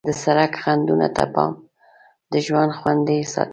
د سړک خنډونو ته پام د ژوند خوندي ساتي.